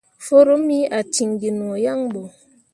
Forummi ah ciŋ gi no yaŋ ɓo.